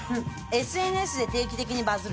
ＳＮＳで定期的にバズる。